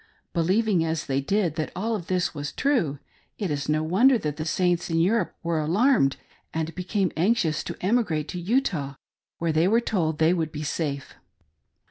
Believing, as they did, that all this was true, it is no wonder that the Saints in Europe were alarmed, and became anxious to emigrate to Utah, where they were told they would be safe.